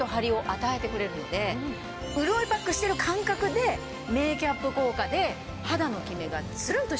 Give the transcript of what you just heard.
潤いパックしてる感覚でメーキャップ効果で肌のキメがツルンとして。